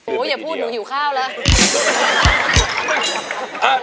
มีพี่ร่าวหรอ